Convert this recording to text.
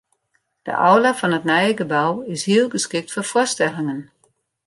De aula fan it nije gebou is hiel geskikt foar foarstellingen.